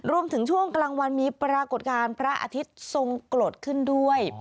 ช่วงกลางวันมีปรากฏการณ์พระอาทิตย์ทรงกรดขึ้นด้วย